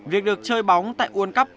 việc được chơi bóng tại world cup